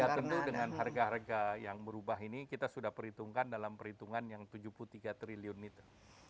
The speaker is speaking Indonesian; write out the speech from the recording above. ya tentu dengan harga harga yang berubah ini kita sudah perhitungkan dalam perhitungan yang tujuh puluh tiga triliun itu